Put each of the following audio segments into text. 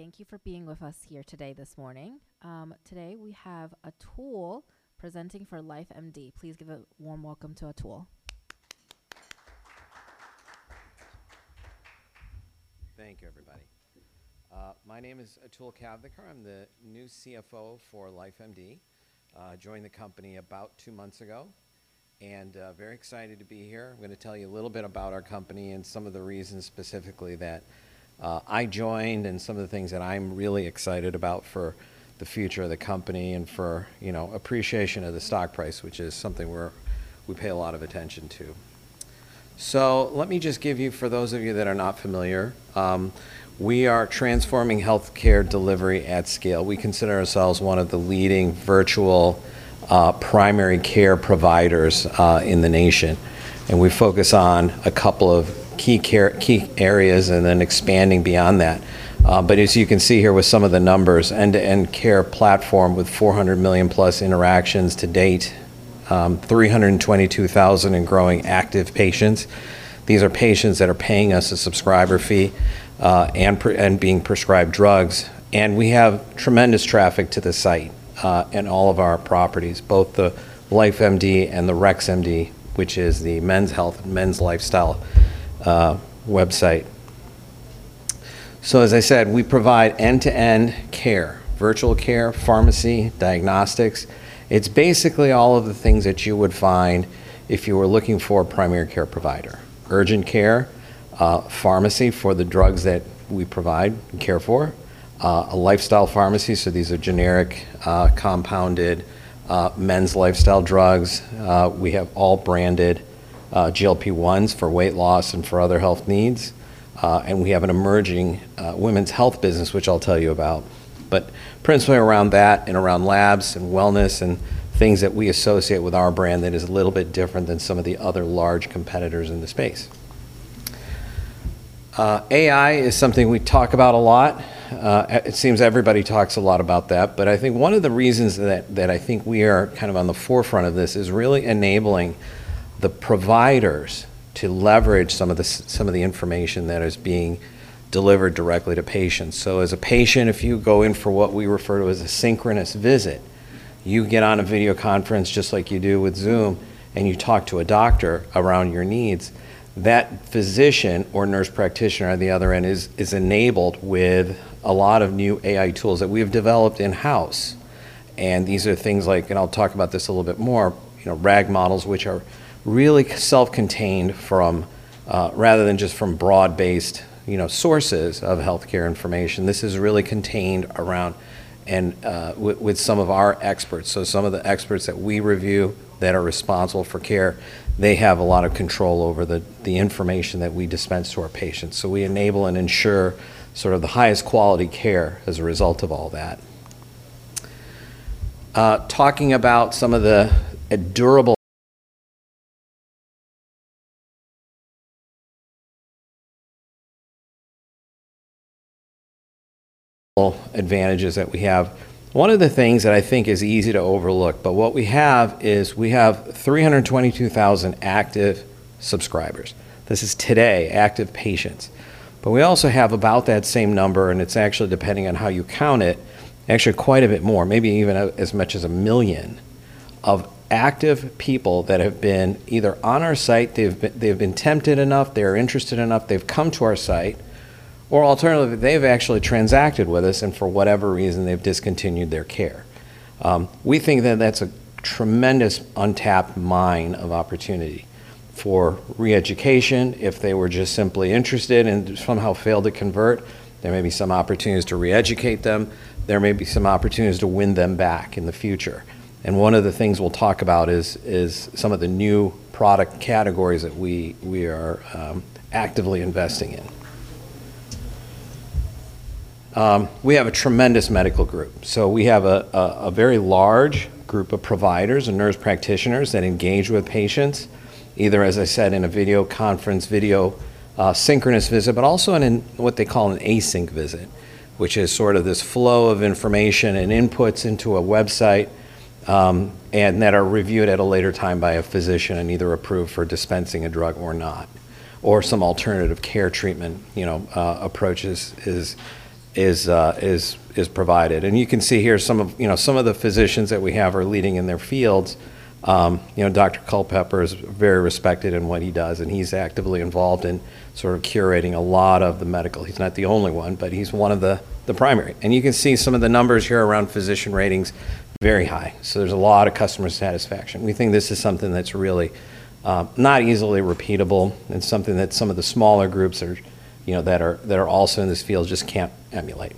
Thank you for being with us here today this morning. Today we have Atul presenting for LifeMD. Please give a warm welcome to Atul. Thank you, everybody. My name is Atul Kavthekar. I'm the new CFO for LifeMD. Joined the company about two months ago, very excited to be here. I'm gonna tell you a little bit about our company and some of the reasons specifically that I joined, and some of the things that I'm really excited about for the future of the company and for, you know, appreciation of the stock price, which is something we pay a lot of attention to. Let me just give you, for those of you that are not familiar, we are transforming healthcare delivery at scale. We consider ourselves one of the leading virtual primary care providers in the nation, we focus on a couple of key areas and then expanding beyond that. As you can see here with some of the numbers, end-to-end care platform with 400 million+ interactions to date, 322,000 and growing active patients. These are patients that are paying us a subscriber fee and being prescribed drugs. We have tremendous traffic to the site and all of our properties, both the LifeMD and the RexMD, which is the men's health, men's lifestyle website. As I said, we provide end-to-end care, virtual care, pharmacy, diagnostics. It's basically all of the things that you would find if you were looking for a primary care provider. Urgent care, pharmacy for the drugs that we provide and care for, a lifestyle pharmacy, so these are generic, compounded, men's lifestyle drugs. We have all branded GLP-1s for weight loss and for other health needs. We have an emerging women's health business, which I'll tell you about. Principally around that and around labs and wellness and things that we associate with our brand that is a little bit different than some of the other large competitors in the space. AI is something we talk about a lot. It seems everybody talks a lot about that. I think one of the reasons that I think we are kind of on the forefront of this is really enabling the providers to leverage some of the information that is being delivered directly to patients. As a patient, if you go in for what we refer to as a synchronous visit, you get on a video conference just like you do with Zoom, and you talk to a doctor around your needs. That physician or nurse practitioner on the other end is enabled with a lot of new AI tools that we have developed in-house. These are things like, and I'll talk about this a little bit more, you know, RAG models, which are really self-contained from rather than just from broad-based, you know, sources of healthcare information. This is really contained around and with some of our experts. Some of the experts that we review that are responsible for care, they have a lot of control over the information that we dispense to our patients. We enable and ensure sort of the highest quality care as a result of all that. Talking about some of the durable advantages that we have. One of the things that I think is easy to overlook, but what we have is we have 322,000 active subscribers. This is today, active patients. We also have about that same number, and it's actually depending on how you count it, actually quite a bit more, maybe even as much as 1 million of active people that have been either on our site, they've been tempted enough, they're interested enough, they've come to our site, or alternatively, they've actually transacted with us, and for whatever reason, they've discontinued their care. We think that that's a tremendous untapped mine of opportunity for reeducation. If they were just simply interested and just somehow failed to convert, there may be some opportunities to re-educate them. There may be some opportunities to win them back in the future. One of the things we'll talk about is some of the new product categories that we are actively investing in. We have a tremendous medical group. We have a very large group of providers and nurse practitioners that engage with patients, either, as I said, in a video conference, video, synchronous visit, but also in what they call an async visit, which is sort of this flow of information and inputs into a website, and that are reviewed at a later time by a physician and either approved for dispensing a drug or not, or some alternative care treatment, you know, approaches is provided. You can see here some of, you know, some of the physicians that we have are leading in their fields. You know, Dr. Culpepper is very respected in what he does, and he's actively involved in sort of curating a lot of the medical. He's not the only one, but he's one of the primary. You can see some of the numbers here around physician ratings, very high. There's a lot of customer satisfaction. We think this is something that's really not easily repeatable and something that some of the smaller groups are, you know, that are also in this field just can't emulate.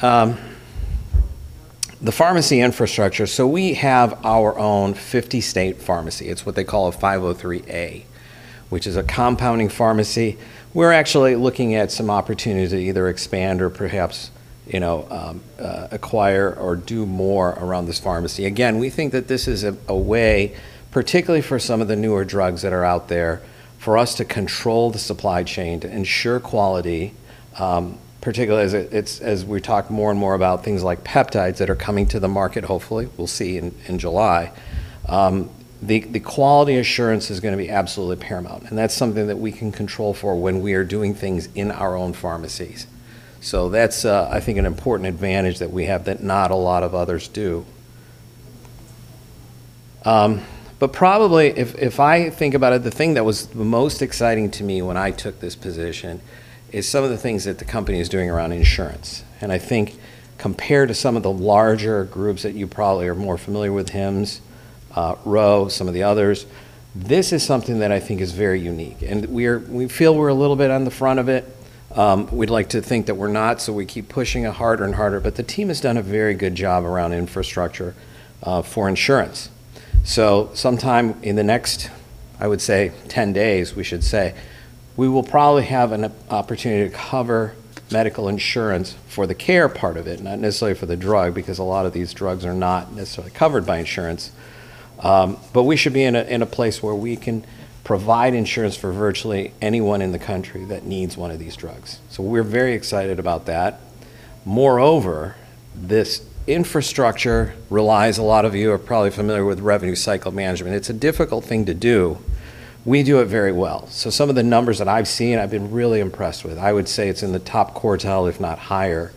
The pharmacy infrastructure. We have our own 50-state pharmacy. It's what they call a 503A, which is a compounding pharmacy. We're actually looking at some opportunities to either expand or perhaps, you know, acquire or do more around this pharmacy. We think that this is a way, particularly for some of the newer drugs that are out there, for us to control the supply chain, to ensure quality, particularly as we talk more and more about things like peptides that are coming to the market, hopefully, we'll see in July. The quality assurance is gonna be absolutely paramount, and that's something that we can control for when we are doing things in our own pharmacies. That's, I think an important advantage that we have that not a lot of others do. Probably if I think about it, the thing that was most exciting to me when I took this position is some of the things that the company is doing around insurance. I think compared to some of the larger groups that you probably are more familiar with, Hims, Ro, some of the others, this is something that I think is very unique. We feel we're a little bit on the front of it. We'd like to think that we're not, so we keep pushing it harder and harder. The team has done a very good job around infrastructure for insurance. Sometime in the next, I would say, 10 days, we should say, we will probably have an opportunity to cover medical insurance for the care part of it, not necessarily for the drug, because a lot of these drugs are not necessarily covered by insurance. We should be in a place where we can provide insurance for virtually anyone in the country that needs one of these drugs. We're very excited about that. Moreover, this infrastructure relies, a lot of you are probably familiar with revenue cycle management. It's a difficult thing to do. We do it very well. Some of the numbers that I've seen, I've been really impressed with. I would say it's in the top quartile, if not higher,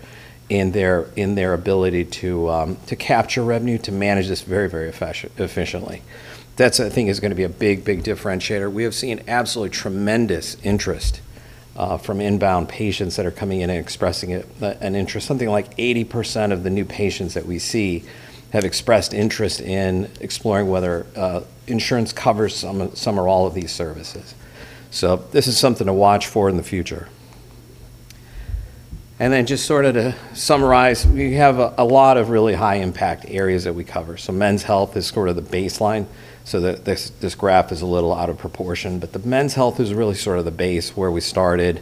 in their ability to capture revenue, to manage this very, very efficiently. That's, I think, is gonna be a big differentiator. We have seen absolutely tremendous interest from inbound patients that are coming in and expressing an interest. Something like 80% of the new patients that we see have expressed interest in exploring whether insurance covers some or all of these services. This is something to watch for in the future. just sort of to summarize, we have a lot of really high impact areas that we cover. men's health is sort of the baseline. this graph is a little out of proportion, but the men's health is really sort of the base where we started.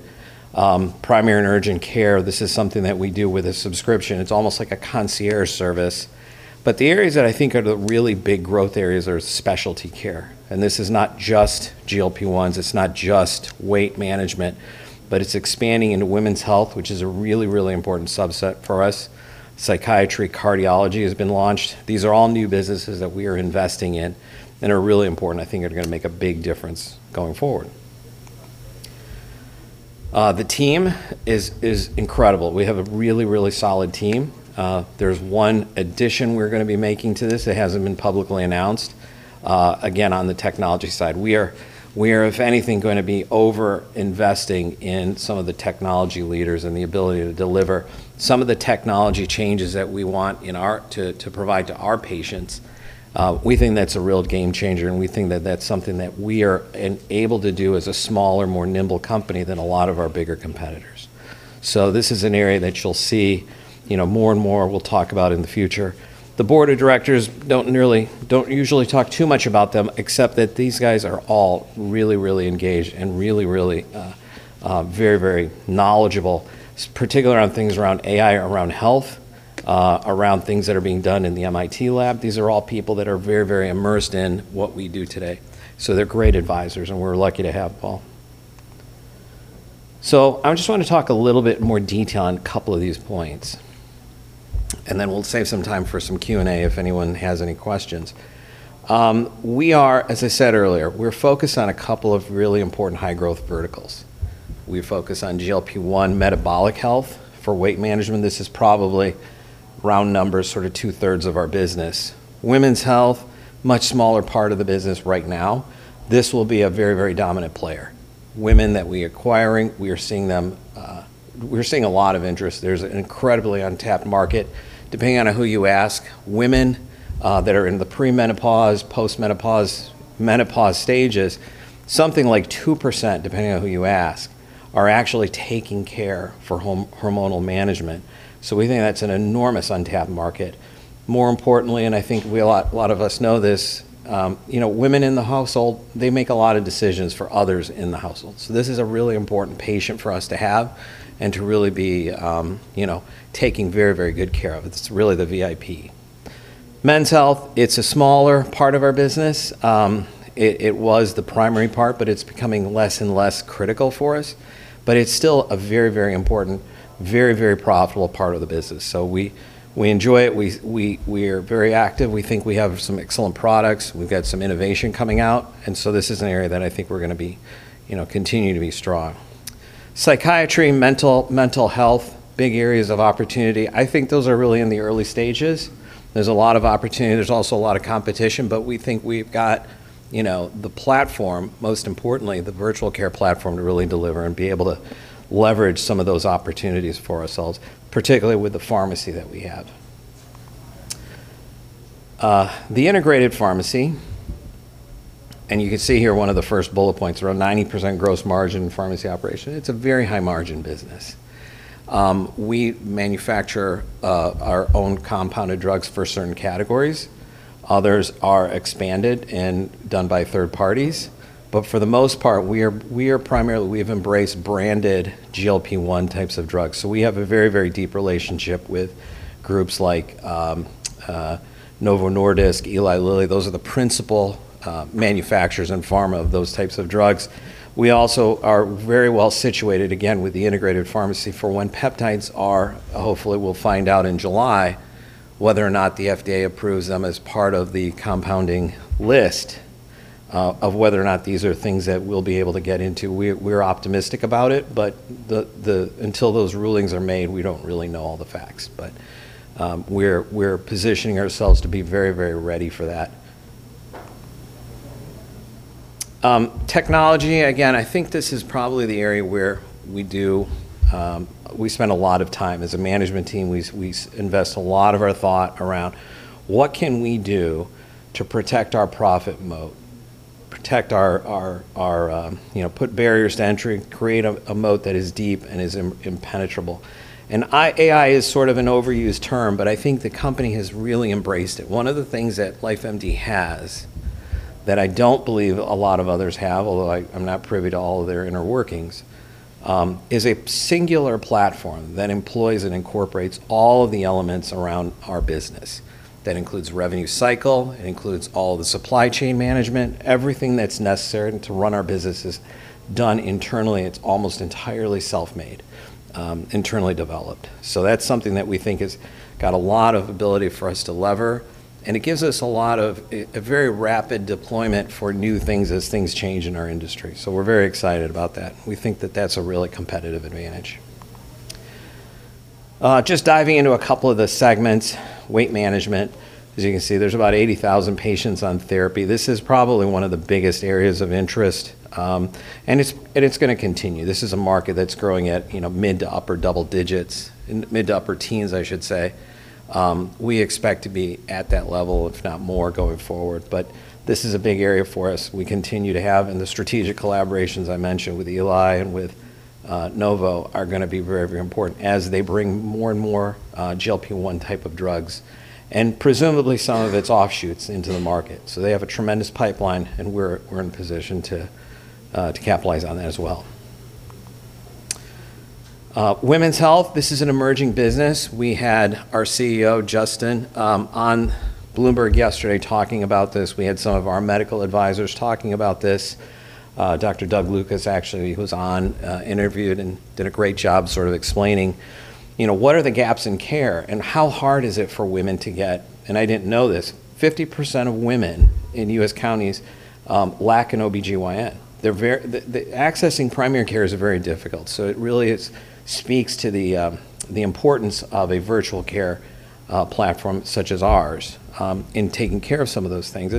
primary and urgent care, this is something that we do with a subscription. It's almost like a concierge service. the areas that I think are the really big growth areas are specialty care, and this is not just GLP-1s, it's not just weight management, but it's expanding into women's health, which is a really, really important subset for us. Psychiatry, cardiology has been launched. These are all new businesses that we are investing in and are really important. I think they're gonna make a big difference going forward. the team is incredible. We have a really, really solid team. There's one addition we're gonna be making to this. It hasn't been publicly announced. Again, on the technology side. We are, if anything, gonna be over-investing in some of the technology leaders and the ability to deliver some of the technology changes that we want to provide to our patients. We think that's a real game changer, and we think that that's something that we are able to do as a smaller, more nimble company than a lot of our bigger competitors. This is an area that you'll see, you know, more and more we'll talk about in the future. The board of directors don't usually talk too much about them, except that these guys are all really engaged and really very knowledgeable, particular on things around AI, around health, around things that are being done in the MIT lab. These are all people that are very immersed in what we do today. They're great advisors, and we're lucky to have them all. I just want to talk a little bit more detail on a couple of these points, and then we'll save some time for some Q&A if anyone has any questions. We are, as I said earlier, we're focused on a couple of really important high-growth verticals. We focus on GLP-1 metabolic health for weight management. This is probably round numbers, sort of 2/3 of our business. Women's health, much smaller part of the business right now. This will be a very, very dominant player. Women that we acquiring, we are seeing them. We're seeing a lot of interest. There's an incredibly untapped market. Depending on who you ask, women that are in the pre-menopause, post-menopause, menopause stages, something like 2%, depending on who you ask, are actually taking care for hormonal management. We think that's an enormous untapped market. More importantly, I think a lot of us know this, you know, women in the household, they make a lot of decisions for others in the household. This is a really important patient for us to have and to really be, you know, taking very, very good care of. It's really the VIP. Men's health, it's a smaller part of our business. It was the primary part, but it's becoming less and less critical for us. It's still a very, very important, very, very profitable part of the business. We enjoy it. We are very active. We think we have some excellent products. We've got some innovation coming out. This is an area that I think we're gonna be, you know, continue to be strong. Psychiatry, mental health, big areas of opportunity. I think those are really in the early stages. There's a lot of opportunity. There's also a lot of competition, we think we've got, you know, the platform, most importantly, the virtual care platform to really deliver and be able to leverage some of those opportunities for ourselves, particularly with the pharmacy that we have. The integrated pharmacy, you can see here one of the first bullet points, around 90% gross margin pharmacy operation. It's a very high margin business. We manufacture our own compounded drugs for certain categories. Others are expanded and done by third parties. For the most part, we have embraced branded GLP-1 types of drugs. We have a very, very deep relationship with groups like Novo Nordisk, Eli Lilly. Those are the principal manufacturers and pharma of those types of drugs. We also are very well-situated, again, with the integrated pharmacy for when peptides are, hopefully we'll find out in July, whether or not the FDA approves them as part of the compounding list, of whether or not these are things that we'll be able to get into. We're optimistic about it, until those rulings are made, we don't really know all the facts. We're positioning ourselves to be very ready for that. Technology, again, I think this is probably the area where we spend a lot of time. As a management team, we invest a lot of our thought around what can we do to protect our profit moat, protect our, you know, put barriers to entry, create a moat that is deep and is impenetrable. AI is sort of an overused term, but I think the company has really embraced it. One of the things that LifeMD has that I don't believe a lot of others have, although I'm not privy to all of their inner workings, is a singular platform that employs and incorporates all of the elements around our business. That includes revenue cycle, it includes all the supply chain management. Everything that's necessary to run our business is done internally. It's almost entirely self-made, internally developed. That's something that we think has got a lot of ability for us to lever, and it gives us a lot of, a very rapid deployment for new things as things change in our industry. We're very excited about that. We think that that's a really competitive advantage. Just diving into a couple of the segments. Weight management. As you can see, there's about 80,000 patients on therapy. This is probably one of the biggest areas of interest, and it's gonna continue. This is a market that's growing at, you know, mid to upper double digits. Mid to upper 10s, I should say. We expect to be at that level, if not more, going forward. This is a big area for us. We continue to have, the strategic collaborations I mentioned with Eli and with Novo are gonna be very, very important as they bring more and more GLP-1 type of drugs, and presumably some of its offshoots, into the market. They have a tremendous pipeline, and we're in position to capitalize on that as well. Women's health. This is an emerging business. We had our CEO, Justin, on Bloomberg yesterday talking about this. We had some of our medical advisors talking about this. Dr. Doug Lucas actually was on, interviewed and did a great job sort of explaining, you know, what are the gaps in care, and how hard is it for women to get. I didn't know this. 50% of women in U.S. counties lack an OBGYN. Accessing primary care is very difficult, so it really speaks to the importance of a virtual care platform such as ours in taking care of some of those things.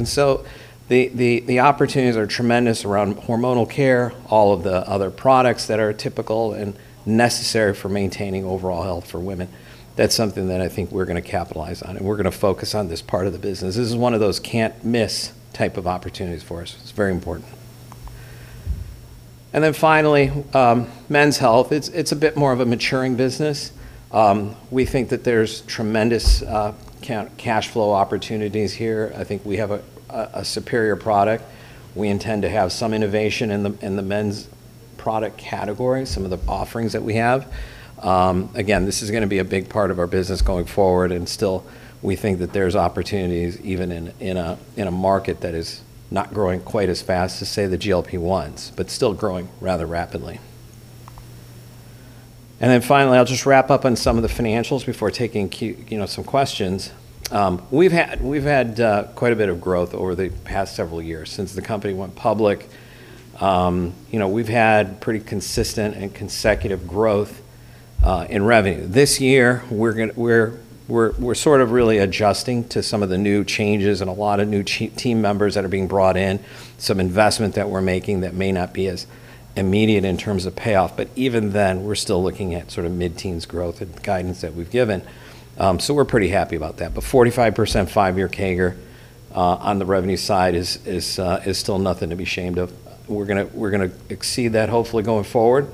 The opportunities are tremendous around hormonal care, all of the other products that are typical and necessary for maintaining overall health for women. That's something that I think we're gonna capitalize on, and we're gonna focus on this part of the business. This is one of those can't miss type of opportunities for us. It's very important. Finally, men's health. It's a bit more of a maturing business. We think that there's tremendous cash flow opportunities here. I think we have a superior product. We intend to have some innovation in the men's product category, some of the offerings that we have. Again, this is gonna be a big part of our business going forward, and still we think that there's opportunities even in a market that is not growing quite as fast as, say, the GLP-1s, but still growing rather rapidly. Finally, I'll just wrap up on some of the financials before taking you know, some questions. We've had quite a bit of growth over the past several years since the company went public. You know, we've had pretty consistent and consecutive growth in revenue. This year, we're sort of really adjusting to some of the new changes and a lot of new team members that are being brought in. Some investment that we're making that may not be as immediate in terms of payoff. Even then, we're still looking at sort of mid-teens growth and guidance that we've given. We're pretty happy about that. Forty-five percent five-year CAGR on the revenue side is still nothing to be ashamed of. We're gonna exceed that hopefully going forward.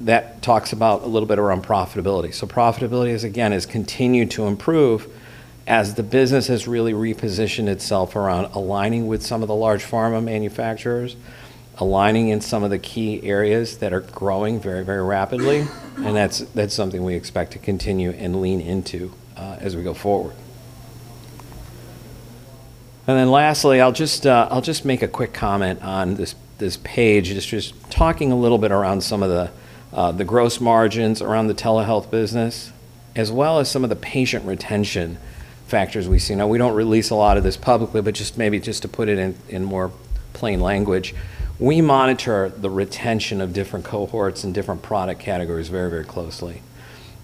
That talks about a little bit around profitability. Profitability is, again, has continued to improve as the business has really repositioned itself around aligning with some of the large pharma manufacturers, aligning in some of the key areas that are growing very, very rapidly, and that's something we expect to continue and lean into as we go forward. Lastly, I'll just make a quick comment on this page. It's just talking a little bit around some of the gross margins around the telehealth business, as well as some of the patient retention factors we see. Now, we don't release a lot of this publicly, but just maybe just to put it in more plain language, we monitor the retention of different cohorts and different product categories very, very closely.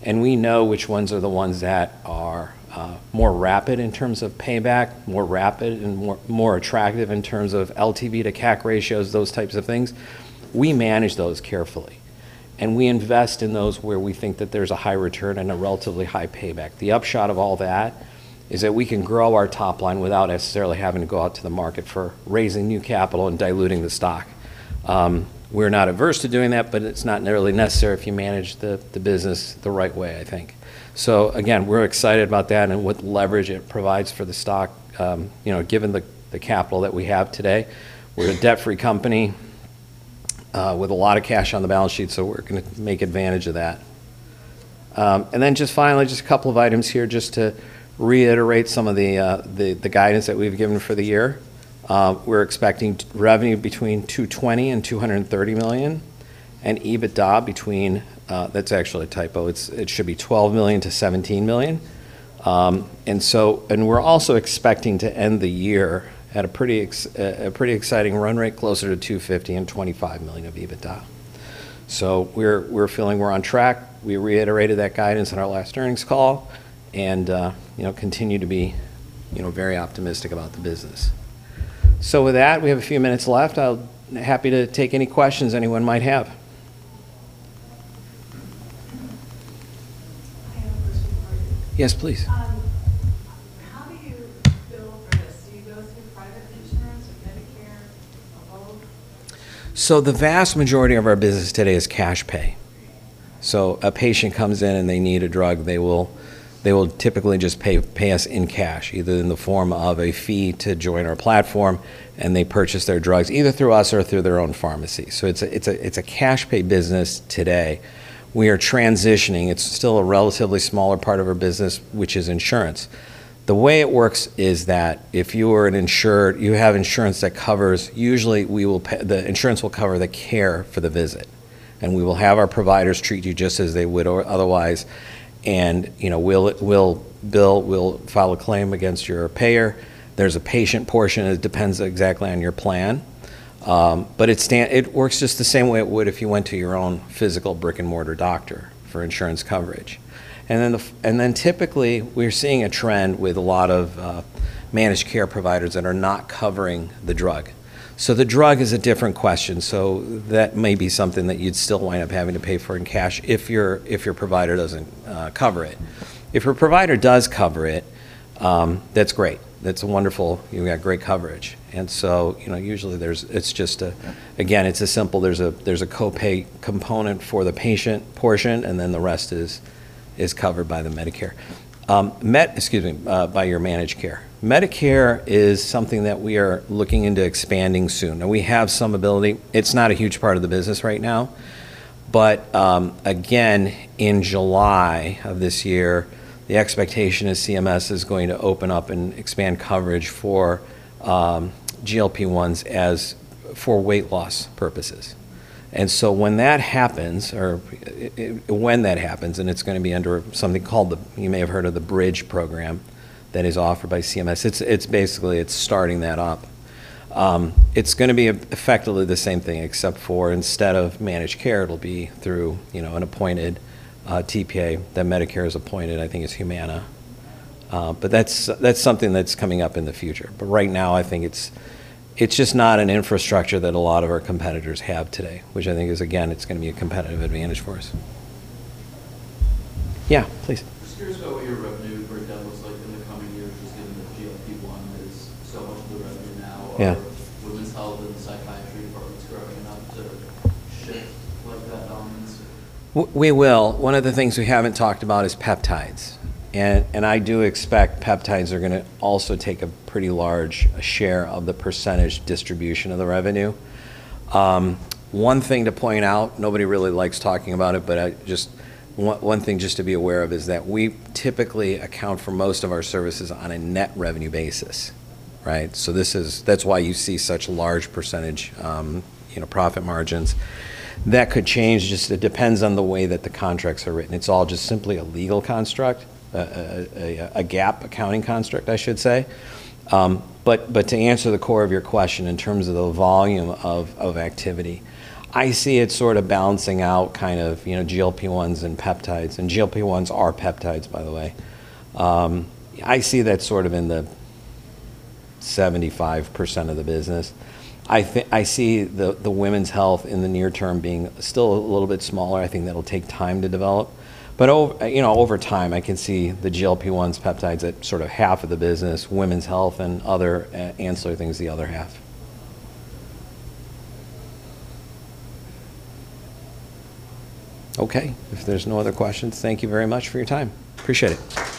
We know which ones are the ones that are more rapid in terms of payback, more rapid and more attractive in terms of LTV to CAC ratios, those types of things. We manage those carefully, and we invest in those where we think that there's a high return and a relatively high payback. The upshot of all that is that we can grow our top line without necessarily having to go out to the market for raising new capital and diluting the stock. We're not averse to doing that, but it's not necessarily necessary if you manage the business the right way, I think. Again, we're excited about that and what leverage it provides for the stock, you know, given the capital that we have today. We're a debt-free company, with a lot of cash on the balance sheet, so we're gonna make advantage of that. Just finally, just a couple of items here just to reiterate some of the guidance that we've given for the year. We're expecting revenue between $220 million and $230 million, and EBITDA between That's actually a typo. It should be $12 million to $17 million. We're also expecting to end the year at a pretty exciting run rate closer to $250 million and $25 million of EBITDA. We're feeling we're on track. We reiterated that guidance in our last earnings call, you know, continue to be, you know, very optimistic about the business. With that, we have a few minutes left. I'll be happy to take any questions anyone might have. I have a question for you. Yes, please. How do you bill for this? Do you go through private insurance or Medicare, or both? The vast majority of our business today is cash pay. A patient comes in and they need a drug, they will typically just pay us in cash, either in the form of a fee to join our platform, and they purchase their drugs either through us or through their own pharmacy. It's a cash pay business today. We are transitioning. It's still a relatively smaller part of our business, which is insurance. The way it works is that if you have insurance that covers Usually, the insurance will cover the care for the visit, and we will have our providers treat you just as they would or otherwise, and, you know, we'll bill, we'll file a claim against your payer. There's a patient portion. It depends exactly on your plan. It works just the same way it would if you went to your own physical brick-and-mortar doctor for insurance coverage. Typically, we're seeing a trend with a lot of managed care providers that are not covering the drug. The drug is a different question, that may be something that you'd still wind up having to pay for in cash if your, if your provider doesn't cover it. If your provider does cover it, that's great. That's wonderful. You got great coverage. You know, usually there's a simple copay component for the patient portion, and then the rest is covered by the Medicare. Excuse me, by your managed care. Medicare is something that we are looking into expanding soon, and we have some ability. It's not a huge part of the business right now, but again, in July of this year, the expectation is CMS is going to open up and expand coverage for GLP-1s as for weight loss purposes. When that happens, or when that happens, and it's gonna be under something called the you may have heard of the Bridge program that is offered by CMS. It's basically, it's starting that up. It's gonna be effectively the same thing, except for instead of managed care, it'll be through, you know, an appointed TPA that Medicare has appointed. I think it's Humana. That's something that's coming up in the future. Right now, I think it's just not an infrastructure that a lot of our competitors have today, which I think is again, it's gonna be a competitive advantage for us. Yeah, please. Just curious about what your revenue breakdown looks like in the coming years, just given that GLP-1 is so much of the revenue now. Are women's health and the psychiatry departments growing enough to shift like that balance? We will. One of the things we haven't talked about is peptides. I do expect peptides are gonna also take a pretty large share of the percentage distribution of the revenue. One thing to point out, nobody really likes talking about it, but I just one thing just to be aware of is that we typically account for most of our services on a net revenue basis, right? This is that's why you see such large percentage, you know, profit margins. That could change. Just it depends on the way that the contracts are written. It's all just simply a legal construct, a GAAP accounting construct, I should say. To answer the core of your question, in terms of the volume of activity, I see it sort of balancing out kind of, you know, GLP-1s and peptides. GLP-1s are peptides, by the way. I see that sort of in the 75% of the business. I see the women's health in the near term being still a little bit smaller. I think that'll take time to develop. You know, over time, I can see the GLP-1s, peptides at sort of half of the business, women's health and other ancillary things the other half. Okay. If there's no other questions, thank you very much for your time. Appreciate it.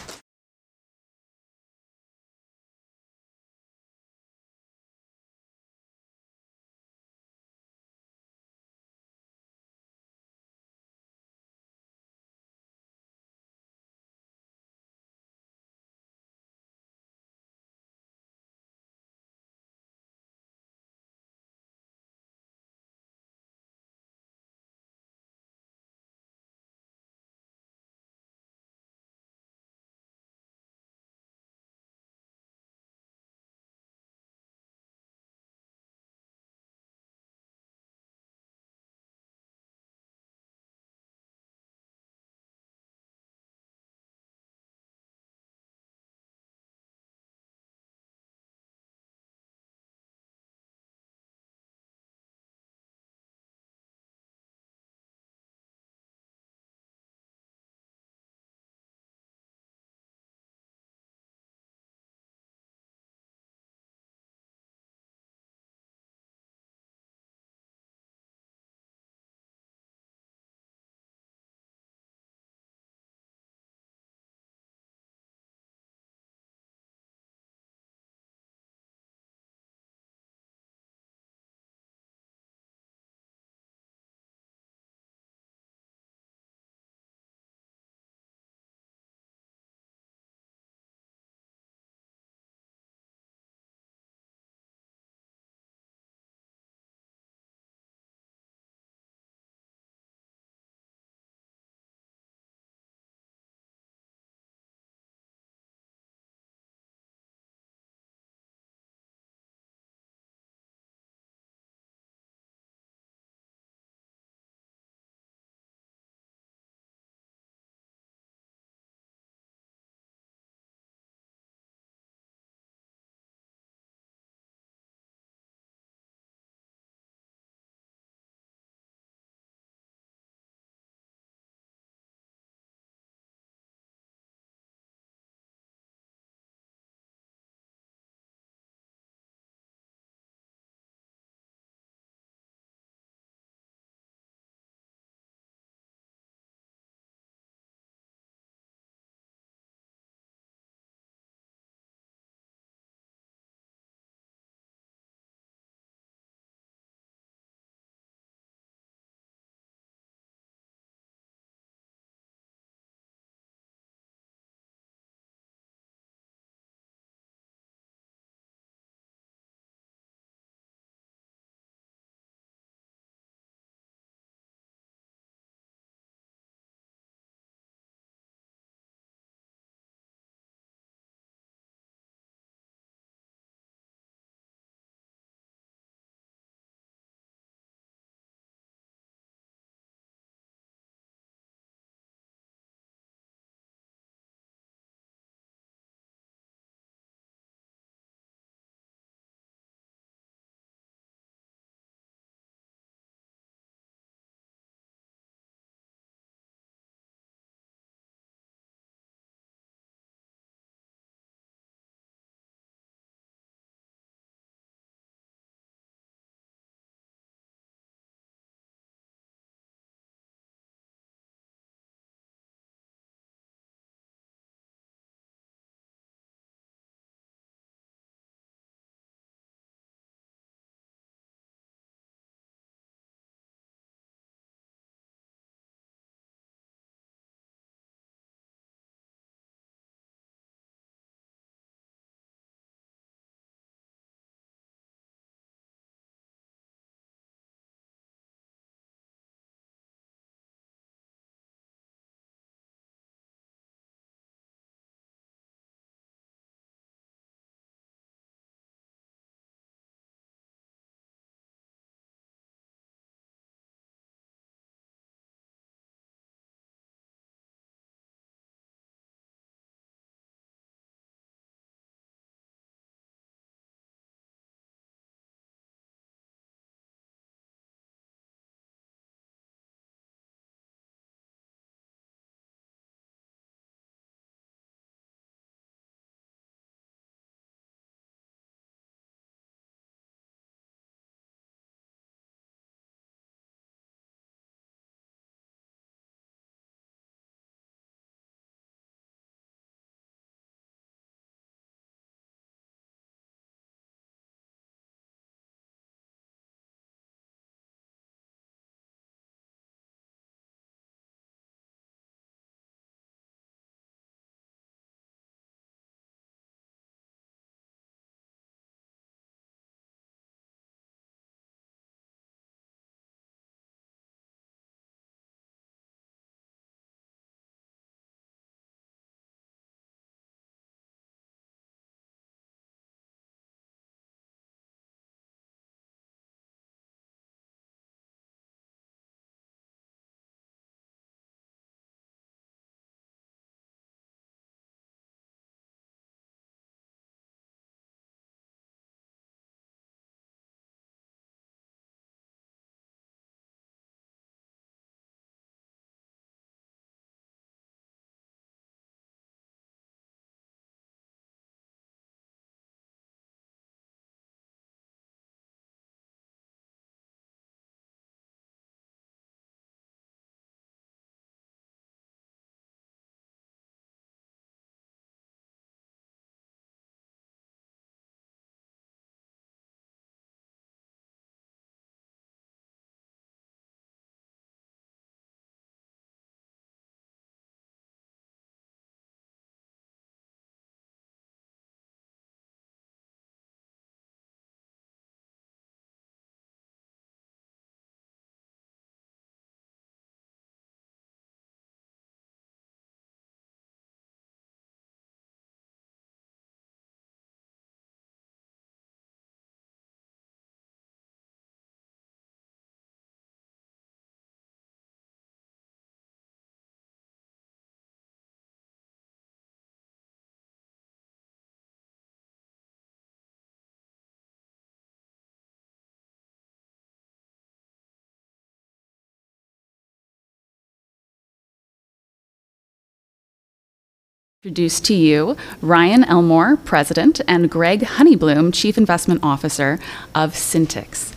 Introduce to you Ryan Elmore, President, and Gregg Honigblum, Chief Investment Officer of SINTX.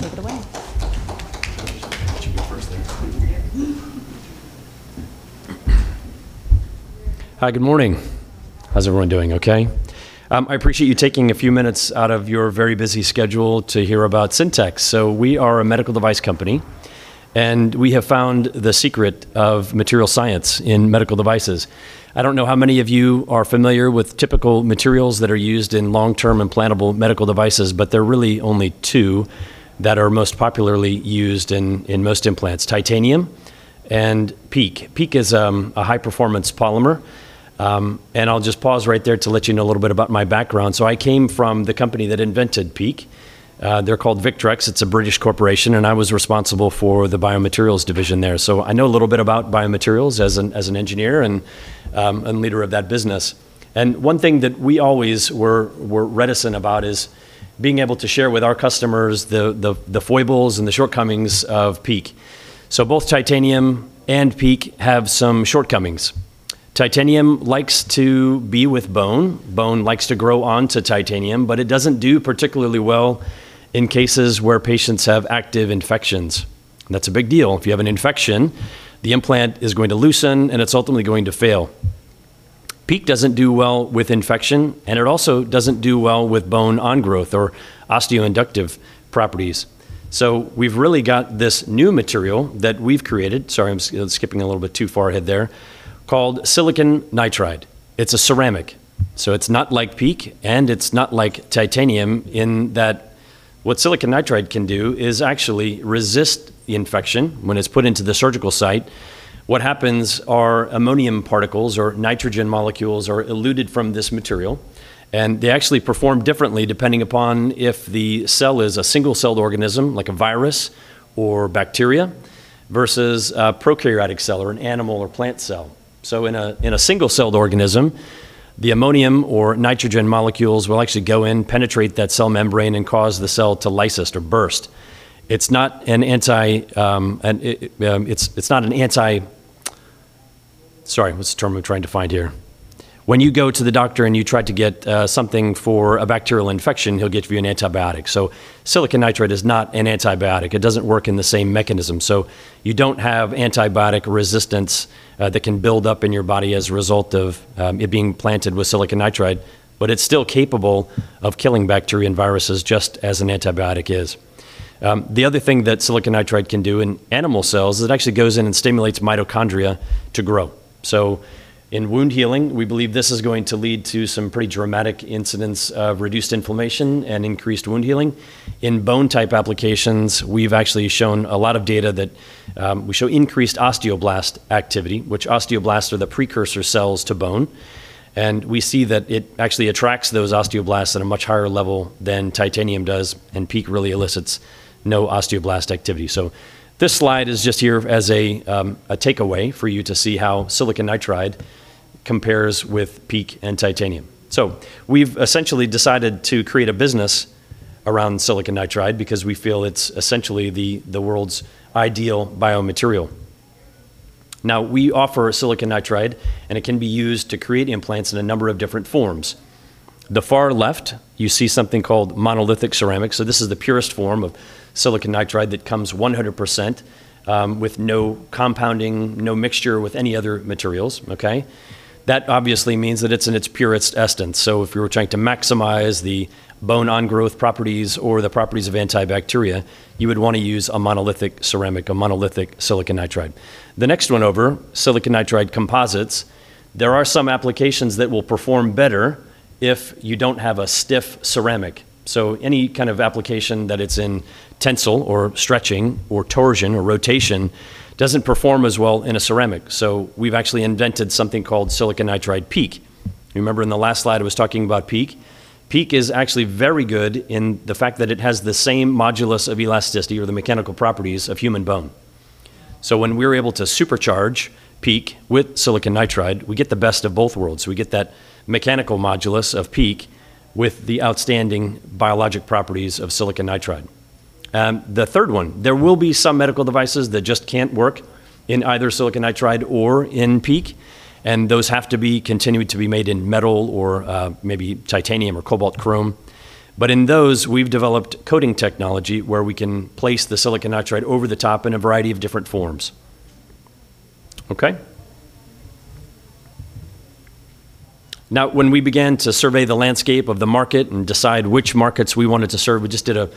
Take it away. I should go first then. Hi, good morning. How's everyone doing? Okay? I appreciate you taking a few minutes out of your very busy schedule to hear about SINTX. We are a medical device company, and we have found the secret of material science in medical devices. I don't know how many of you are familiar with typical materials that are used in long-term implantable medical devices, but there are really only two that are most popularly used in most implants, titanium and PEEK. PEEK is a high-performance polymer. I'll just pause right there to let you know a little bit about my background. I came from the company that invented PEEK. They're called Victrex. It's a British corporation, and I was responsible for the biomaterials division there. I know a little bit about biomaterials as an engineer and leader of that business. One thing that we always were reticent about is being able to share with our customers the foibles and the shortcomings of PEEK. Both titanium and PEEK have some shortcomings. Titanium likes to be with bone. Bone likes to grow onto titanium, but it doesn't do particularly well in cases where patients have active infections. That's a big deal. If you have an infection, the implant is going to loosen, and it's ultimately going to fail. PEEK doesn't do well with infection, and it also doesn't do well with bone on growth or osteoinductive properties. We've really got this new material that we've created. Sorry, I'm skipping a little bit too far ahead there called silicon nitride. It's a ceramic, so it's not like PEEK, and it's not like titanium in that what silicon nitride can do is actually resist the infection when it's put into the surgical site. What happens are ammonium particles or nitrogen molecules are eluted from this material, and they actually perform differently depending upon if the cell is a single-celled organism, like a virus or bacteria, versus a prokaryotic cell or an animal or plant cell. In a single-celled organism, the ammonium or nitrogen molecules will actually go in, penetrate that cell membrane, and cause the cell to lysis or burst. It's not an anti Sorry, what's the term I'm trying to find here? When you go to the doctor and you try to get something for a bacterial infection, he'll get you an antibiotic. Silicon nitride is not an antibiotic. It doesn't work in the same mechanism, so you don't have antibiotic resistance that can build up in your body as a result of it being planted with silicon nitride, but it's still capable of killing bacteria and viruses just as an antibiotic is. The other thing that silicon nitride can do in animal cells is it actually goes in and stimulates mitochondria to grow. In wound healing, we believe this is going to lead to some pretty dramatic incidents of reduced inflammation and increased wound healing. In bone type applications, we've actually shown a lot of data that we show increased osteoblast activity, which osteoblasts are the precursor cells to bone. We see that it actually attracts those osteoblasts at a much higher level than titanium does, and PEEK really elicits no osteoblast activity. This slide is just here as a takeaway for you to see how silicon nitride compares with PEEK and titanium. We've essentially decided to create a business around silicon nitride because we feel it's essentially the world's ideal biomaterial. Now, we offer silicon nitride, and it can be used to create implants in a number of different forms. The far left, you see something called monolithic ceramic. This is the purest form of silicon nitride that comes 100%, with no compounding, no mixture with any other materials. That obviously means that it's in its purest essence. If you were trying to maximize the bone on growth properties or the properties of antibacterial, you would wanna use a monolithic ceramic, a monolithic silicon nitride. The next one over, silicon nitride composites, there are some applications that will perform better if you don't have a stiff ceramic. Any kind of application that it's in tensile or stretching or torsion or rotation doesn't perform as well in a ceramic. We've actually invented something called silicon nitride PEEK. Remember in the last slide, I was talking about PEEK? PEEK is actually very good in the fact that it has the same modulus of elasticity or the mechanical properties of human bone. When we're able to supercharge PEEK with silicon nitride, we get the best of both worlds. We get that mechanical modulus of PEEK with the outstanding biologic properties of silicon nitride. The third one, there will be some medical devices that just can't work in either silicon nitride or in PEEK, and those have to be continued to be made in metal or, maybe titanium or cobalt chrome. In those, we've developed coating technology where we can place the silicon nitride over the top in a variety of different forms. Okay? Now, when we began to survey the landscape of the market and decide which markets we wanted to serve, we just did an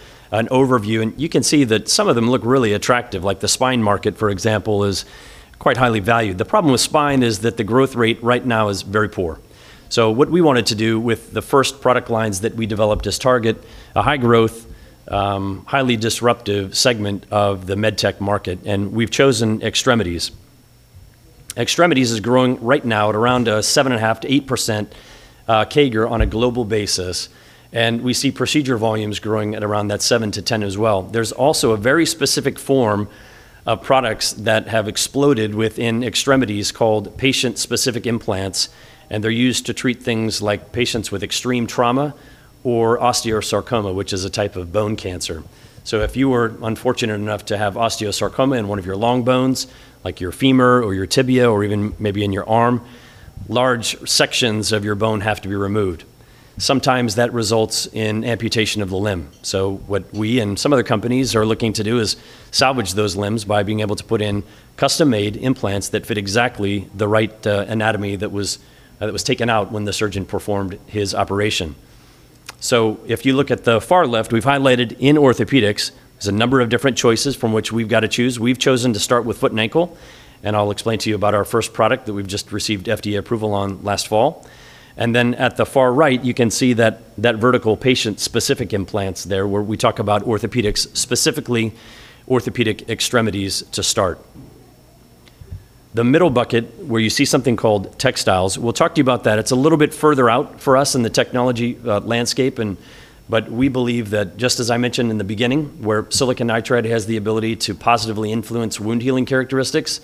overview, and you can see that some of them look really attractive. Like the spine market, for example, is quite highly valued. The problem with spine is that the growth rate right now is very poor. What we wanted to do with the first product lines that we developed is target a high growth, highly disruptive segment of the med tech market, and we've chosen extremities. Extremities is growing right now at around 7.5%-8% CAGR on a global basis, and we see procedure volumes growing at around that 7-10 as well. There's also a very specific form of products that have exploded within extremities called patient-specific implants, and they're used to treat things like patients with extreme trauma or osteosarcoma, which is a type of bone cancer. If you were unfortunate enough to have osteosarcoma in one of your long bones, like your femur or your tibia or even maybe in your arm, large sections of your bone have to be removed. Sometimes that results in amputation of the limb. What we and some other companies are looking to do is salvage those limbs by being able to put in custom-made implants that fit exactly the right anatomy that was taken out when the surgeon performed his operation. If you look at the far left, we've highlighted in orthopedics, there's a number of different choices from which we've got to choose. We've chosen to start with foot and ankle, I'll explain to you about our first product that we've just received FDA approval on last fall. At the far right, you can see that vertical patient-specific implants there where we talk about orthopedics, specifically orthopedic extremities to start. The middle bucket where you see something called textiles, we'll talk to you about that. It's a little bit further out for us in the technology landscape, but we believe that just as I mentioned in the beginning, where silicon nitride has the ability to positively influence wound healing characteristics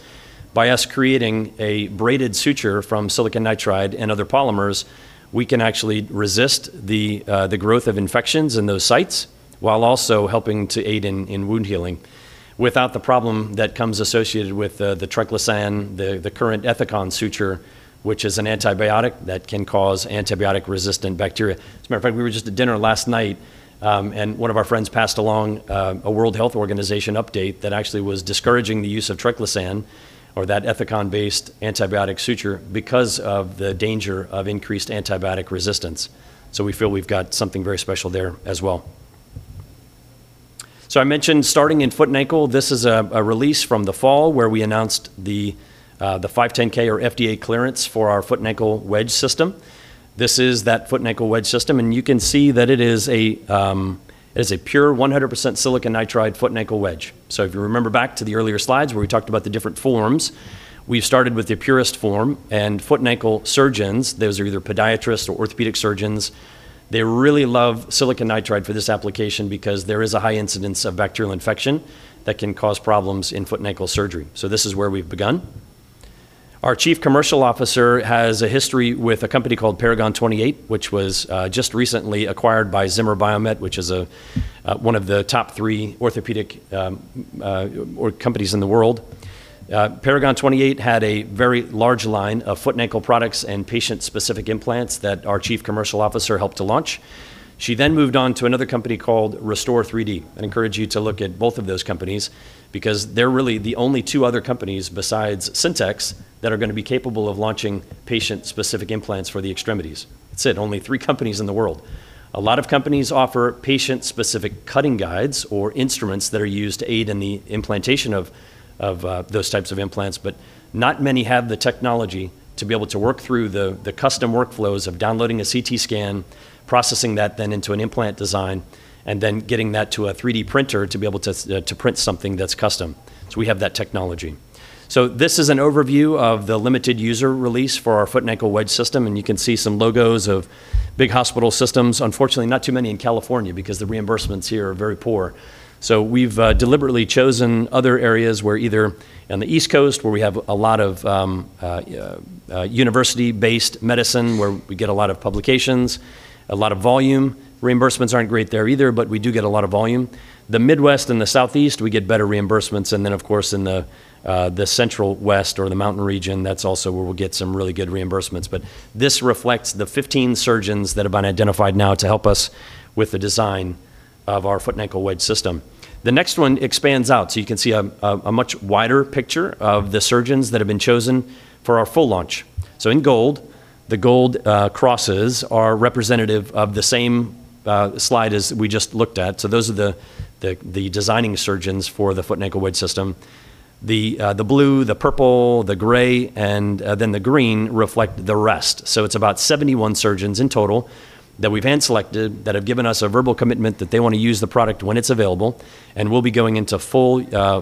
by us creating a braided suture from silicon nitride and other polymers, we can actually resist the growth of infections in those sites while also helping to aid in wound healing without the problem that comes associated with the triclosan, the current Ethicon suture, which is an antibiotic that can cause antibiotic-resistant bacteria. As a matter of fact, we were just at dinner last night. One of our friends passed along a World Health Organization update that actually was discouraging the use of triclosan or that Ethicon-based antibiotic suture because of the danger of increased antibiotic resistance. We feel we've got something very special there as well. I mentioned starting in foot and ankle. This is a release from the fall where we announced the 510(k) or FDA clearance for our foot and ankle wedge system. This is that foot and ankle wedge system, and you can see that it is a pure 100% silicon nitride foot and ankle wedge. If you remember back to the earlier slides where we talked about the different forms, we've started with the purest form, and foot and ankle surgeons, those are either podiatrists or orthopedic surgeons, they really love silicon nitride for this application because there is a high incidence of bacterial infection that can cause problems in foot and ankle surgery. This is where we've begun. Our Chief Commercial Officer has a history with a company called Paragon 28, which was just recently acquired by Zimmer Biomet, which is one of the top 3 orthopedic companies in the world. Paragon 28 had a very large line of foot and ankle products and patient-specific implants that our Chief Commercial Officer helped to launch. She then moved on to another company called restor3d. I'd encourage you to look at both of those companies because they're really the only two other companies besides SINTX that are gonna be capable of launching patient-specific implants for the extremities. That's it. Only three companies in the world. A lot of companies offer patient-specific cutting guides or instruments that are used to aid in the implantation of those types of implants, but not many have the technology to be able to work through the custom workflows of downloading a CT scan, processing that then into an implant design, and then getting that to a 3D-printer to be able to print something that's custom. We have that technology. This is an overview of the limited user release for our foot and ankle wedge system, and you can see some logos of big hospital systems. Unfortunately, not too many in California because the reimbursements here are very poor. We've deliberately chosen other areas where either on the East Coast where we have a lot of university-based medicine where we get a lot of publications, a lot of volume. Reimbursements aren't great there either, but we do get a lot of volume. The Midwest and the Southeast, we get better reimbursements, and then of course in the Central West or the mountain region, that's also where we'll get some really good reimbursements. This reflects the 15 surgeons that have been identified now to help us with the design of our foot and ankle wedge system. The next one expands out, so you can see a much wider picture of the surgeons that have been chosen for our full launch. In gold, the gold crosses are representative of the same slide as we just looked at. Those are the designing surgeons for the foot and ankle wedge system. The blue, the purple, the gray, and the green reflect the rest. It's about 71 surgeons in total that we've hand-selected that have given us a verbal commitment that they wanna use the product when it's available, and we'll be going into full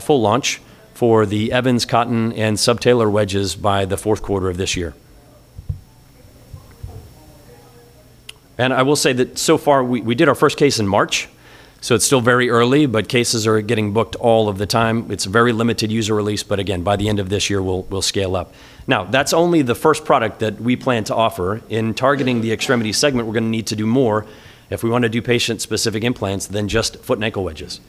launch for the Evans, Cotton, and subtalar wedges by the fourth quarter of this year. I will say that so far, we did our first case in March, so it's still very early, but cases are getting booked all of the time. It's a very limited user release, but again, by the end of this year, we'll scale up. That's only the first product that we plan to offer. In targeting the extremities segment, we're gonna need to do more if we wanna do patient-specific implants than just foot and ankle wedges.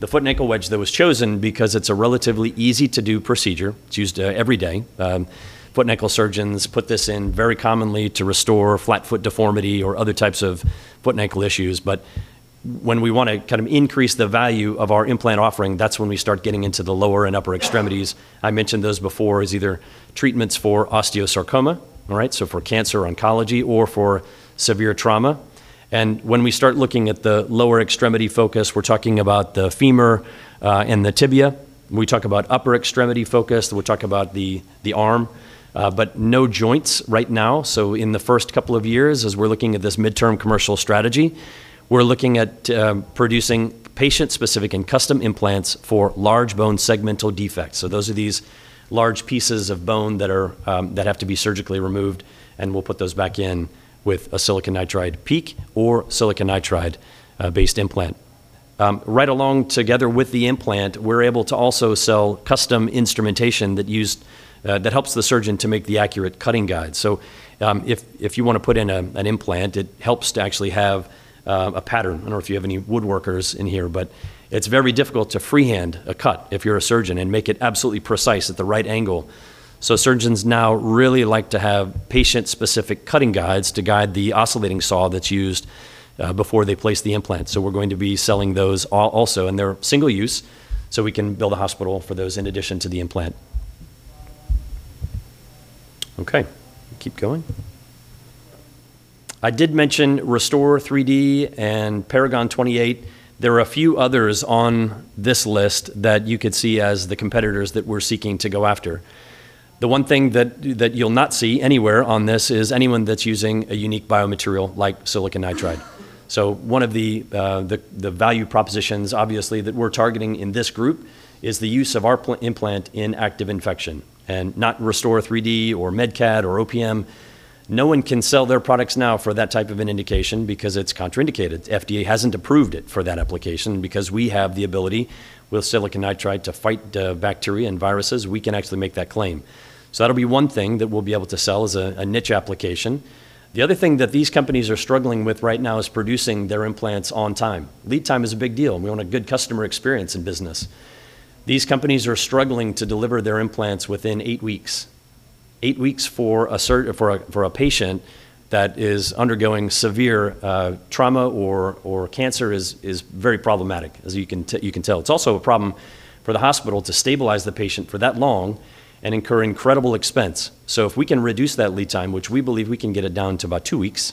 The foot and ankle wedge that was chosen because it's a relatively easy-to-do procedure. It's used every day. Foot and ankle surgeons put this in very commonly to restore flat foot deformity or other types of foot and ankle issues. When we wanna kind of increase the value of our implant offering, that's when we start getting into the lower and upper extremities. I mentioned those before as either treatments for osteosarcoma, all right, so for cancer, oncology, or for severe trauma. When we start looking at the lower extremity focus, we're talking about the femur and the tibia. When we talk about upper extremity focus, we'll talk about the arm, but no joints right now. In the first couple of years, as we're looking at this midterm commercial strategy, we're looking at producing patient-specific and custom implants for large bone segmental defects. Those are these large pieces of bone that are that have to be surgically removed, and we'll put those back in with a silicon nitride PEEK or silicon nitride based implant. Right along together with the implant, we're able to also sell custom instrumentation that's used that helps the surgeon to make the accurate cutting guide. If you wanna put in an implant, it helps to actually have a pattern. I don't know if you have any woodworkers in here, but it's very difficult to freehand a cut if you're a surgeon and make it absolutely precise at the right angle. Surgeons now really like to have patient-specific cutting guides to guide the oscillating saw that's used before they place the implant. We're going to be selling those also, and they're single use, we can bill the hospital for those in addition to the implant. Okay, keep going. I did mention restor3d and Paragon 28. There are a few others on this list that you could see as the competitors that we're seeking to go after. The one thing that you'll not see anywhere on this is anyone that's using a unique biomaterial like silicon nitride. One of the value propositions obviously that we're targeting in this group is the use of our implant in active infection and not restor3d or MedCAD or OPM. No one can sell their products now for that type of an indication because it's contraindicated. FDA hasn't approved it for that application. We have the ability with silicon nitride to fight bacteria and viruses, we can actually make that claim. That'll be one thing that we'll be able to sell as a niche application. The other thing that these companies are struggling with right now is producing their implants on time. Lead time is a big deal. We want a good customer experience in business. These companies are struggling to deliver their implants within eight weeks. Eight weeks for a patient that is undergoing severe trauma or cancer is very problematic, as you can tell. It's also a problem for the hospital to stabilize the patient for that long and incur incredible expense. If we can reduce that lead time, which we believe we can get it down to about two weeks,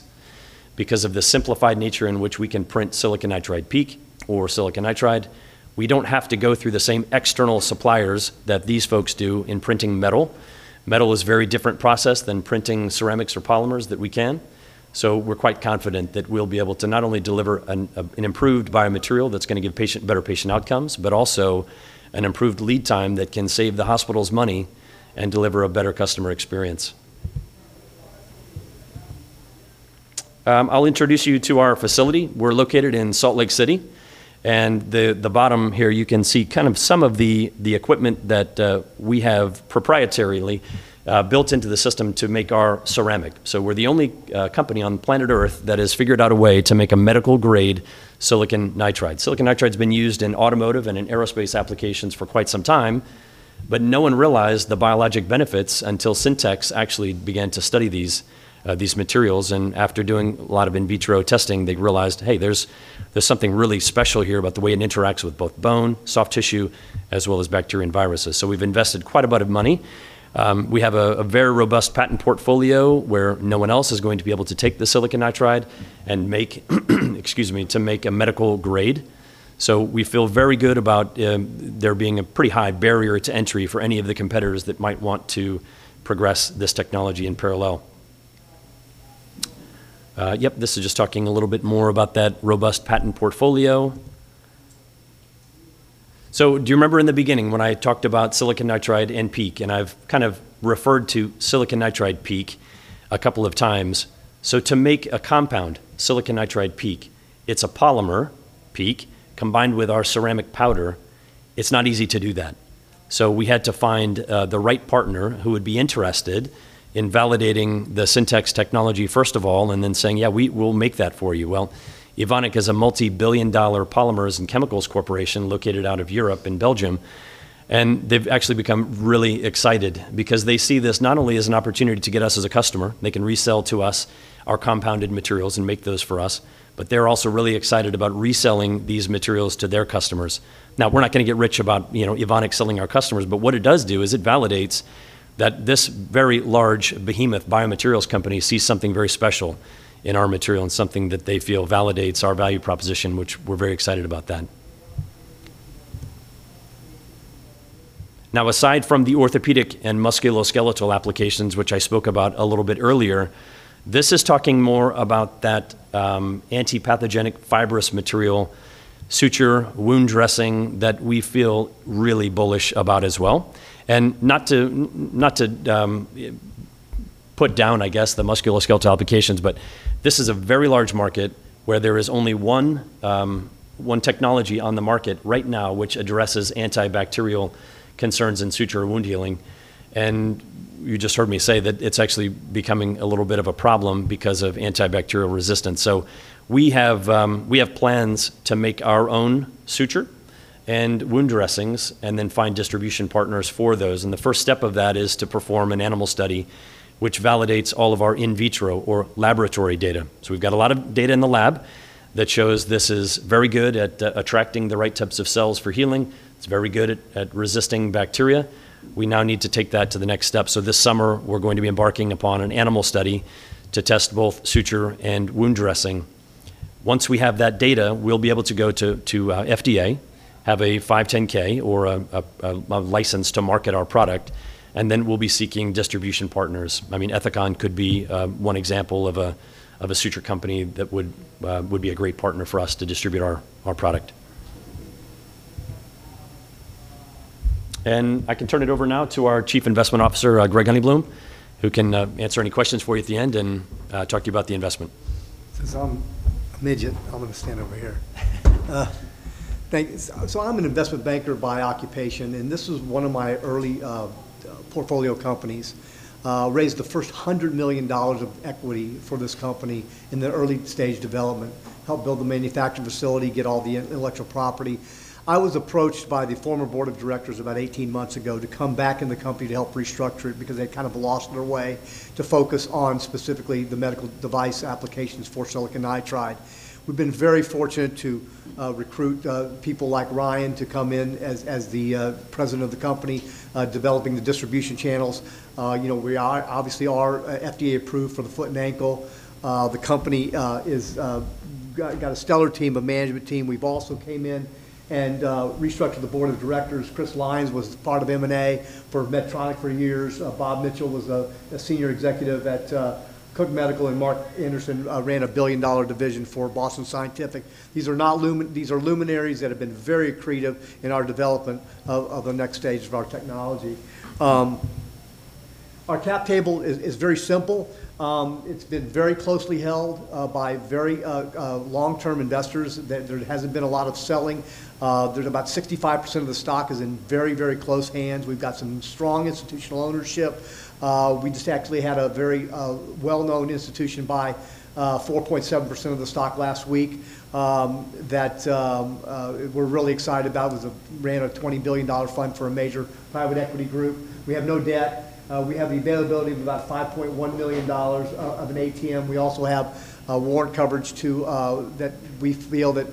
because of the simplified nature in which we can print silicon nitride PEEK or silicon nitride, we don't have to go through the same external suppliers that these folks do in printing metal. Metal is a very different process than printing ceramics or polymers that we can. We're quite confident that we'll be able to not only deliver an improved biomaterial that's gonna give patient better patient outcomes, but also an improved lead time that can save the hospitals money and deliver a better customer experience. I'll introduce you to our facility. We're located in Salt Lake City, and the bottom here, you can see kind of some of the equipment that we have proprietarily built into the system to make our ceramic. We're the only company on planet Earth that has figured out a way to make a medical grade silicon nitride. Silicon nitride's been used in automotive and in aerospace applications for quite some time, but no one realized the biologic benefits until SINTX actually began to study these materials, and after doing a lot of in vitro testing, they realized, "Hey, there's something really special here about the way it interacts with both bone, soft tissue, as well as bacteria and viruses." We've invested quite a bit of money. We have a very robust patent portfolio where no one else is going to be able to take the silicon nitride and to make a medical grade. We feel very good about there being a pretty high barrier to entry for any of the competitors that might want to progress this technology in parallel. This is just talking a little bit more about that robust patent portfolio. Do you remember in the beginning when I talked about silicon nitride and PEEK, and I've kind of referred to silicon nitride PEEK a couple of times. To make a compound, silicon nitride PEEK, it's a polymer, PEEK, combined with our ceramic powder. It's not easy to do that. We had to find the right partner who would be interested in validating the SINTX Technologies first of all, and then saying, "Yeah, we'll make that for you." Well, Evonik is a multi-billion dollar polymers and chemicals corporation located out of Europe in Belgium, and they've actually become really excited because they see this not only as an opportunity to get us as a customer, they can resell to us our compounded materials and make those for us, but they're also really excited about reselling these materials to their customers. Now, we're not gonna get rich about, you know, Evonik selling our customers, but what it does do is it validates that this very large behemoth biomaterials company sees something very special in our material and something that they feel validates our value proposition, which we're very excited about that. Aside from the orthopedic and musculoskeletal applications, which I spoke about a little bit earlier, this is talking more about that anti-pathogenic fibrous material suture wound dressing that we feel really bullish about as well. Not to put down, I guess, the musculoskeletal applications, but this is a very large market where there is only one technology on the market right now which addresses antibacterial concerns in suture wound healing. You just heard me say that it's actually becoming a little bit of a problem because of antibacterial resistance. We have plans to make our own suture and wound dressings and then find distribution partners for those, and the first step of that is to perform an animal study which validates all of our in vitro or laboratory data. We've got a lot of data in the lab that shows this is very good at attracting the right types of cells for healing. It's very good at resisting bacteria. We now need to take that to the next step. This summer, we're going to be embarking upon an animal study to test both suture and wound dressing. Once we have that data, we'll be able to go to FDA, have a 510(k) or a license to market our product, and then we'll be seeking distribution partners. I mean, Ethicon could be one example of a suture company that would be a great partner for us to distribute our product. I can turn it over now to our Chief Investment Officer, Gregg Honigblum, who can answer any questions for you at the end and talk to you about the investment. Since I'm a midget, I'm gonna stand over here. Thank you. I'm an investment banker by occupation, this was one of my early portfolio companies. Raised the first $100 million of equity for this company in the early stage development, helped build the manufacturing facility, get all the intellectual property. I was approached by the former board of directors about 18 months ago to come back in the company to help restructure it because they kind of lost their way to focus on specifically the medical device applications for silicon nitride. We've been very fortunate to recruit people like Ryan to come in as the president of the company, developing the distribution channels. You know, we are obviously FDA approved for the foot and ankle. The company is. You got a stellar team, a management team. We've also came in and restructured the board of directors. Chris Lines was part of M&A for Medtronic for years. Robert Mitchell was a senior executive at Cook Medical, and Mark Anderson ran a $1 billion-dollar division for Boston Scientific. These are luminaries that have been very creative in our development of the next stage of our technology. Our cap table is very simple. It's been very closely held by very long-term investors that there hasn't been a lot of selling. There's about 65% of the stock is in very, very close hands. We've got some strong institutional ownership. We just actually had a very well-known institution buy 4.7% of the stock last week that we're really excited about. It ran a $20 billion fund for a major private equity group. We have no debt. We have the availability of about $5.1 million of an ATM. We also have warrant coverage to that we feel that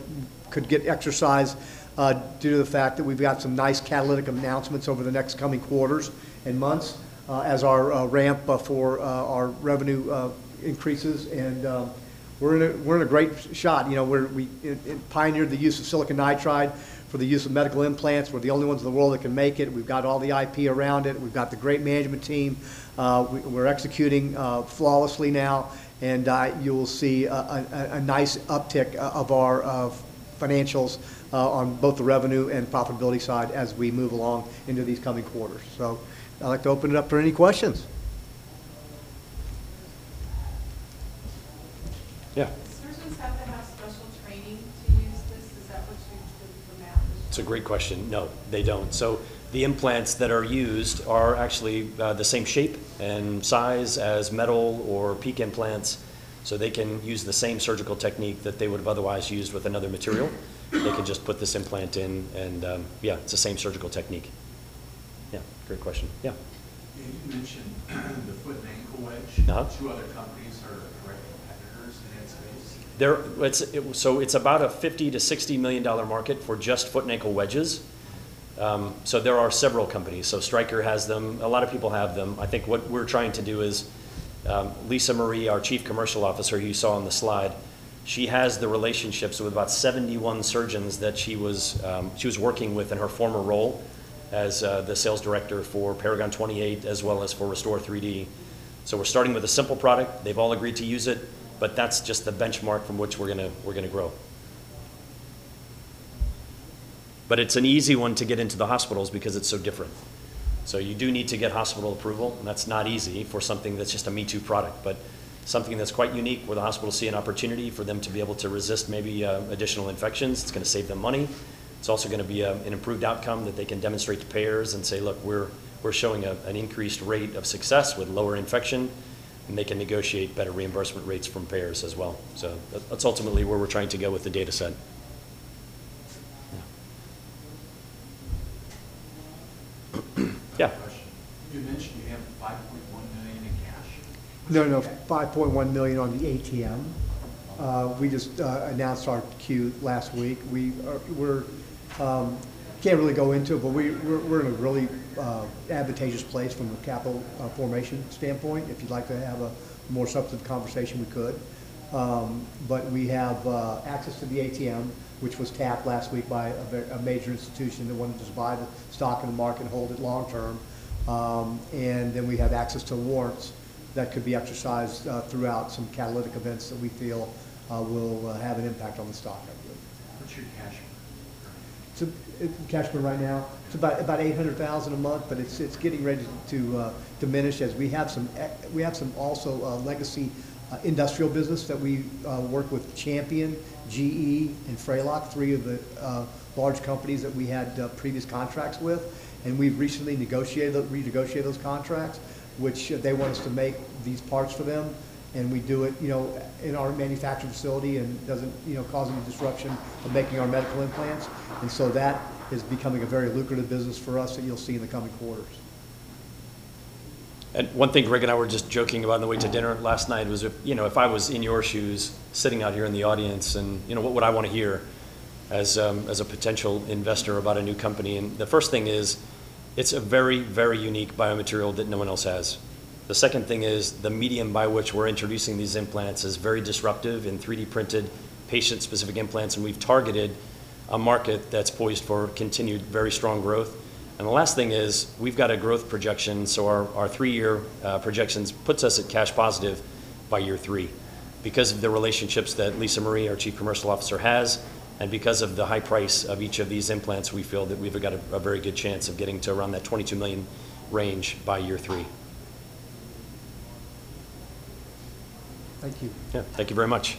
could get exercised due to the fact that we've got some nice catalytic announcements over the next coming quarters and months as our ramp for our revenue increases and we're in a great shot. You know, it pioneered the use of silicon nitride for the use of medical implants. We're the only ones in the world that can make it. We've got all the IP around it. We've got the great management team. We're executing flawlessly now, and you'll see a nice uptick of our financials on both the revenue and profitability side as we move along into these coming quarters. I'd like to open it up for any questions. Yeah. Surgeons have to have special training to use this. Is that what you've been paramount? It's a great question. No, they don't. The implants that are used are actually the same shape and size as metal or PEEK implants, so they can use the same surgical technique that they would have otherwise used with another material. They can just put this implant in and Yeah, it's the same surgical technique. Yeah, great question. Yeah. You mentioned the foot and ankle wedge. Two other companies are direct competitors in that space. So it's about a $50 million-$60 million market for just foot and ankle wedges. There are several companies. Stryker has them. A lot of people have them. I think what we're trying to do is Lisa Marie, our Chief Commercial Officer you saw on the slide, she has the relationships with about 71 surgeons that she was working with in her former role as the sales director for Paragon 28 as well as for restor3d. We're starting with a simple product. They've all agreed to use it, but that's just the benchmark from which we're gonna grow. It's an easy one to get into the hospitals because it's so different. You do need to get hospital approval, and that's not easy for something that's just a me-too product. Something that's quite unique where the hospital see an opportunity for them to be able to resist maybe additional infections, it's gonna save them money. It's also gonna be an improved outcome that they can demonstrate to payers and say, "Look, we're showing an increased rate of success with lower infection," and they can negotiate better reimbursement rates from payers as well. That, that's ultimately where we're trying to go with the data set. Yeah. I have a question. You mentioned you have $5.1 million in cash? No, no. $5.1 million on the ATM. We just announced our Q last week. We can't really go into it, but we're in a really advantageous place from a capital formation standpoint. If you'd like to have a more substantive conversation, we could. We have access to the ATM, which was tapped last week by a major institution that wanted to just buy the stock in the market and hold it long term. We have access to warrants that could be exercised throughout some catalytic events that we feel will have an impact on the stock, I believe. What's your cash burn currently? Cash burn right now, it's about $800,000 a month, but it's getting ready to diminish as we have some also legacy industrial business that we work with Champion, GE, and Fralock, three of the large companies that we had previous contracts with, and we've recently renegotiated those contracts, which they want us to make these parts for them, and we do it, you know, in our manufacturing facility, and it doesn't, you know, cause any disruption from making our medical implants. That is becoming a very lucrative business for us, and you'll see in the coming quarters. One thing Gregg and I were just joking about on the way to dinner last night was if, you know, if I was in your shoes sitting out here in the audience, and, you know, what would I want to hear as a potential investor about a new company? The first thing is it's a very, very unique biomaterial that no one else has. The second thing is the medium by which we're introducing these implants is very disruptive in 3D-printed patient-specific implants, and we've targeted a market that's poised for continued very strong growth. The last thing is we've got a growth projection, so our three-year projections puts us at cash positive by year three. Because of the relationships that Lisa Marie, our Chief Commercial Officer, has, and because of the high price of each of these implants, we feel that we've got a very good chance of getting to around that $22 million range by year three. Thank you. Yeah. Thank you very much.